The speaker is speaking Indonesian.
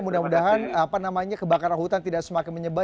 mudah mudahan kebakaran hutan tidak semakin menyebar